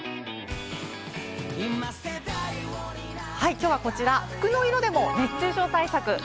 きょうはこちら、服の色でも熱中症対策。